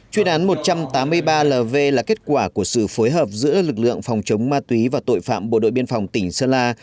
chuyên án một trăm tám mươi ba lv là kết quả của sự phối hợp giữa lực lượng phòng chống ma túy và tội phạm bộ đội biên phòng tỉnh sơn la